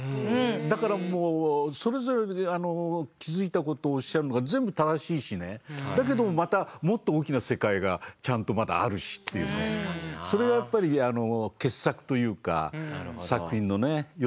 だからもうそれぞれで気付いたことをおっしゃるのが全部正しいしねだけどもまたもっと大きな世界がちゃんとまだあるしというねそれがやっぱりあの傑作というか作品のねよさですよね。